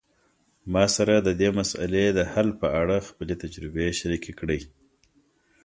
ما سره د دې مسئلې د حل په اړه خپلي تجربي شریکي کړئ